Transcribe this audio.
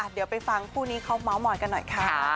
เดี๋ยวไปฟังคู่นี้เขาเมาส์มอยกันหน่อยค่ะ